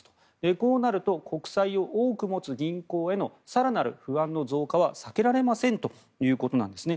こうなると国債を多く持つ銀行への更なる不安の増加は避けられませんということなんですね。